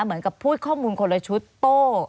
เหมือนกับพูดข้อมูลคนละชุดโต้